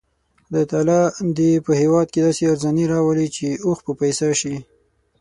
خدای تعالی دې په هېواد کې داسې ارزاني راولي چې اوښ په پیسه شي.